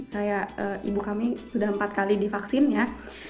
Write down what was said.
kayak ibu kami sudah empat kali divaksin ya